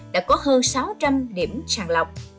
đã có hơn sáu trăm linh điểm sàng lọc